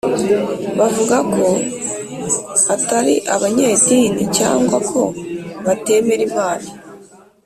bavuga ko atari abanyedini cyangwa ko batemera Imana